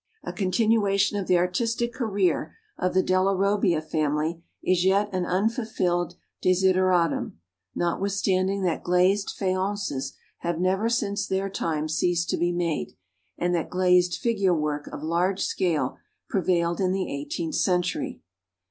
A continuation of the artistic career of the Della Robbia family is yet an unfulfilled desideratum, notwithstanding that glazed faiences have never since their time ceased to be made, and that glazed figure work of large scale prevailed in the eighteenth century.